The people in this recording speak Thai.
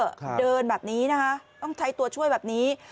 ครับเดินแบบนี้นะคะต้องใช้ตัวช่วยแบบนี้